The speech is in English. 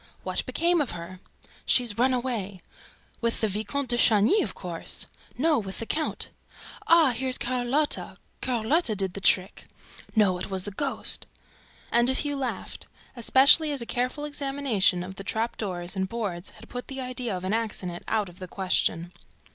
"What became of her?" "She's run away." "With the Vicomte de Chagny, of course!" "No, with the count!" "Ah, here's Carlotta! Carlotta did the trick!" "No, it was the ghost!" And a few laughed, especially as a careful examination of the trap doors and boards had put the idea of an accident out of the question.